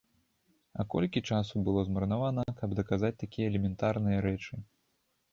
А колькі часу было змарнавана, каб даказаць такія элементарныя рэчы!